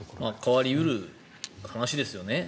変わり得る話ですよね。